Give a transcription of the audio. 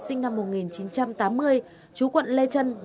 sinh năm một nghìn chín trăm tám mươi chú quận lê trân